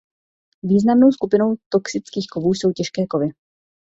Významnou skupinou toxických kovů jsou těžké kovy.